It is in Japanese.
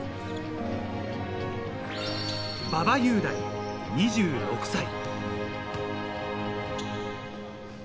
馬場雄大、２６歳。